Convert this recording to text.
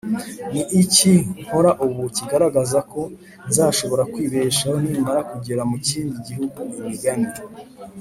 Ni iki nkora ubu kigaragaza ko nzashobora kwibeshaho nimara kugera mu kindi gihugu imigani